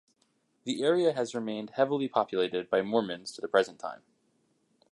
The area has remained heavily populated by Mormons to the present time.